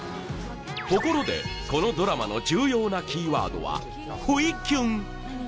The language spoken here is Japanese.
ところでこのドラマの重要なキーワードは不意キュン